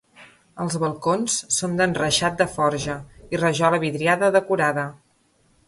Els balcons són d'enreixat de forja i rajola vidriada decorada.